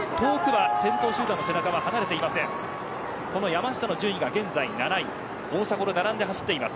山下の順位は現在７位で大迫と並んで走っています。